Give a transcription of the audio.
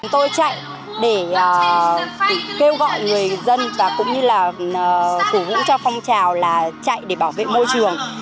tôi chạy để kêu gọi người dân và cũng như là cổ vũ cho phong trào là chạy để bảo vệ môi trường